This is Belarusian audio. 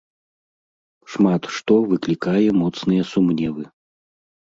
Шмат што выклікае моцныя сумневы.